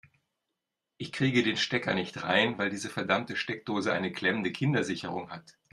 Ich kriege den Stecker nicht rein, weil diese verdammte Steckdose eine klemmende Kindersicherung hat.